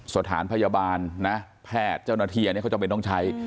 สถานพยาบาลแพทย์เจ้าหน้าเทียเขาจำเป็นต้องใช้